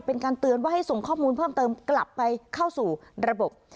เป็นการเตือนว่าให้ส่งข้อมูลเพิ่มเติมกลับไปเข้าสู่ระบบ